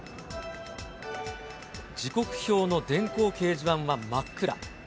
時刻表の電光掲示板は真っ暗。